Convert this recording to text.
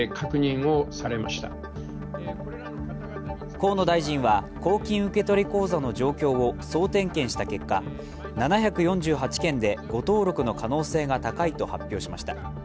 河野大臣は公金受取口座の状況を総点検した結果、７４８件で誤登録の可能性が高いと発表しました。